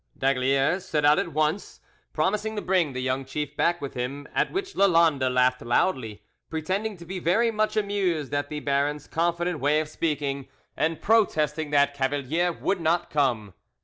D'Aygaliers set out at once, promising to bring the young chief back with him, at which Lalande laughed loudly, pretending to be very much amused at the baron's confident way of speaking, and protesting that Cavalier would not come.